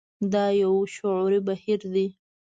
دا يو شعوري بهير دی.